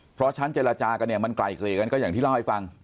เพราะชั้นเจรจากันเนี่ยมันไกลเกลี่ยกันก็อย่างที่เล่าให้ฟัง